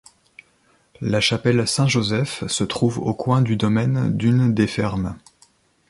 La chapelle Saint-Joseph se trouve au coin du domaine d'une des fermes.